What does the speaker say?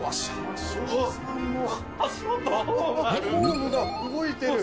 ホームが動いてる。